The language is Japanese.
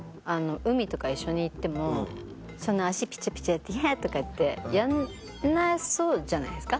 海とか一緒に行ってもそんな足ピチャピチャやって「きゃ」とかってやんなそうじゃないですか。